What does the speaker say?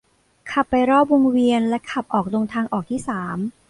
ขับไปรอบวงเวียน และขับออกตรงทางออกที่สาม